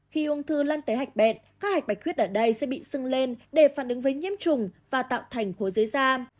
khi ung thư lăn tới hạch bệnh các hạch bạch khuyết ở đây sẽ bị sưng lên để phản ứng với nhiễm trùng và tạo thành khối dưới da